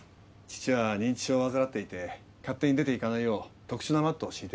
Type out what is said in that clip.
父は認知症を患っていて勝手に出ていかないよう特殊なマットを敷いてるんです。